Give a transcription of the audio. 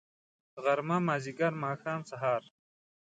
غرمه . مازدیګر . ماښام .. سهار